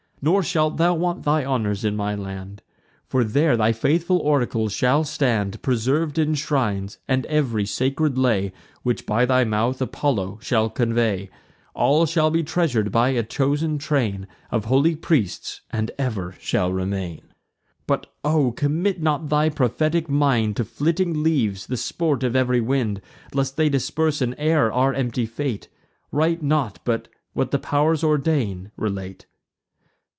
Nor shalt thou want thy honours in my land; For there thy faithful oracles shall stand, Preserv'd in shrines; and ev'ry sacred lay, Which, by thy mouth, Apollo shall convey: All shall be treasur'd by a chosen train Of holy priests, and ever shall remain. But O! commit not thy prophetic mind To flitting leaves, the sport of ev'ry wind, Lest they disperse in air our empty fate; Write not, but, what the pow'rs ordain, relate."